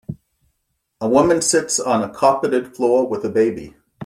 A woman sits on a carpeted floor with a baby.